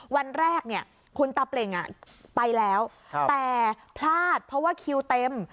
วันแรกเนี่ยคุณตาเปล่งไปแล้วแต่พลาดเพราะว่าคิวเต็ม